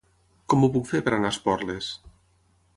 Com ho puc fer per anar a Esporles?